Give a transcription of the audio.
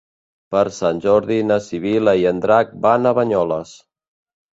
Per Sant Jordi na Sibil·la i en Drac van a Banyoles.